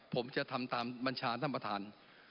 ผมจะทำตามบัญชาท่านประธาน